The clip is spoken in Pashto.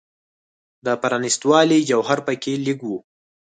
د پرانیستوالي جوهر په کې لږ و.